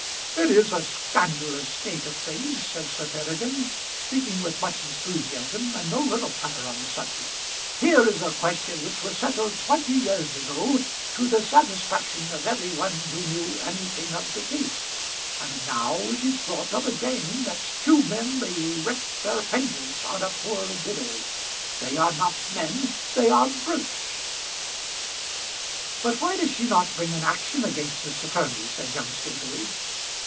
"It is a scandalous state of things," said Sir Peregrine, speaking with much enthusiasm, and no little temper, on the subject. "Here is a question which was settled twenty years ago to the satisfaction of every one who knew anything of the case, and now it is brought up again that two men may wreak their vengeance on a poor widow. They are not men; they are brutes." "But why does she not bring an action against this attorney?" said young Staveley.